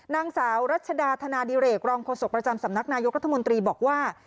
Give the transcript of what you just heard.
นางสาวรัชดาธนาดิเรกรองโฆษกประจำสำนักนายกรัฐมนตรีบอกว่า